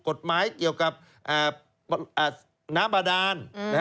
กฎหมายเกี่ยวกับน้ำบาดาน